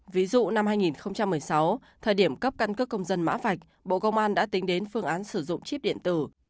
ví dụ năm hai nghìn một mươi sáu thời điểm cấp căn cước công dân mã vạch bộ công an đã tính đến phương án sử dụng chip điện tử